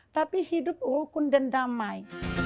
tapi hidup rukun dan damai